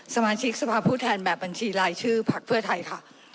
สมาชิกสภาพผู้แทนแบบบัญชีรายชื่อพักเพื่อไทยค่ะ